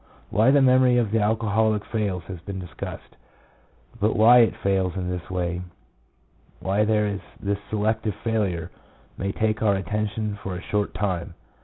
Why the memory of the alcoholic fails has been discussed ; but why it fails in this way, why there is this selective failure, may take our attention for a short time.